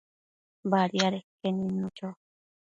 Badiadeque nidnu cho